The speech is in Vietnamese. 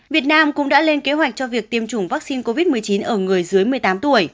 việt nam cũng đã lên kế hoạch cho việc tiêm chủng vaccine covid một mươi chín ở người dưới một mươi tám tuổi